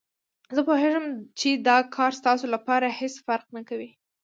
زه پوهېږم چې دا کار ستاسو لپاره هېڅ فرق نه کوي.